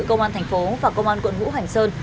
công an thành phố và công an quận hữu hành sơn